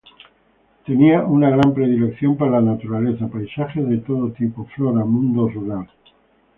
Tenia una gran predilección por la naturaleza: paisajes de todo tipo, flora, mundo rural...